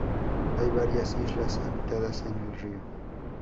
Hay varias islas habitadas en el río.